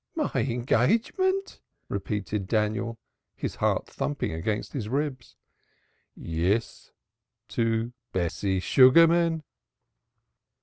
"My engagement!" repeated Daniel, his heart thumping against his ribs. "Yes to Bessie Sugarman."